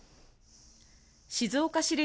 静岡市立